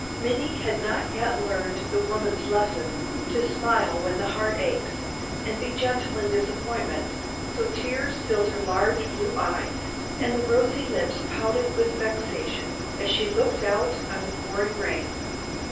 Minnie had not yet learned the woman's lesson, to smile when the heart aches, and be gentle in disappointment, so tears filled her large blue eyes, and the rosy lips pouted with vexation, as she looked out on the pouring rain.